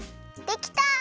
できた！